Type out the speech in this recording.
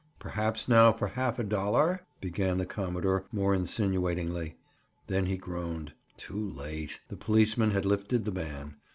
"Perhaps now for half a dollar—" began the commodore, more insinuatingly. Then he groaned: "Too late!" The policeman had lifted the ban.